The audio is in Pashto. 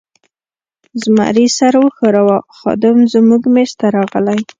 زمري سر و ښوراوه، خادم زموږ مېز ته راغلی.